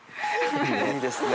いいですね。